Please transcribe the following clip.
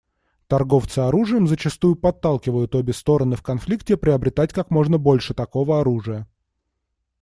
Торговцы оружием зачастую подталкивают обе стороны в конфликте приобретать как можно больше такого оружия.